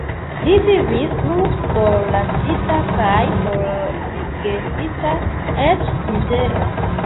Li vivis plu forlasita kaj forgesita, eĉ mizera.